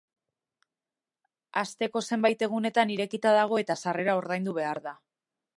Asteko zenbait egunetan irekita dago eta sarrera ordaindu behar da.